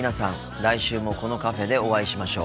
来週もこのカフェでお会いしましょう。